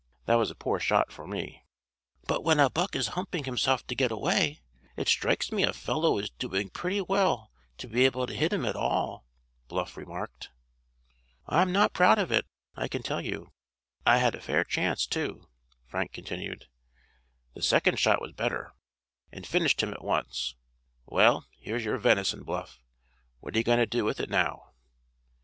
That was a poor shot for me." "But, when a buck is humping himself to get away, it strikes me a fellow is doing pretty well to be able to hit him at all," Bluff remarked. "I'm not proud of it, I can tell you. I had a fair chance, too," Frank continued. "The second shot was better, and finished him at once. Well, here's your venison, Bluff. What are you going to do with it now?"